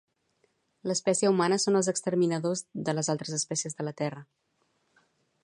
L'espècie humana són els exterminadors de les altres espècies de la Terra